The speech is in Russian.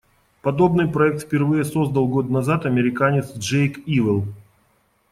Подобный проект впервые создал год назад американец Джейк Ивел.